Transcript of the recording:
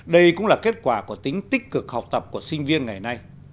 đây cũng là kết quả của tính tích cực học tập của sinh viên ngày nay